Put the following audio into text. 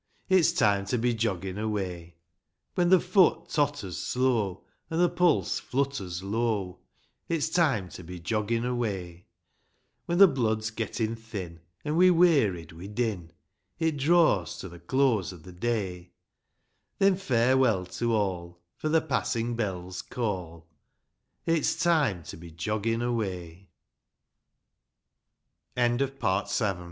It's time to be joggin' away ; When the foot totters slow, an' the pulse flutters low, It's time to be joggin' away ; When the blood's gettin' thin, an' we're wearied wi' din, It draws to the close of the day ; Then farewell to all, for the passing bells call, — It's time to be joggin'